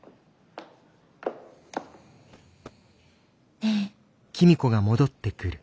ねえ。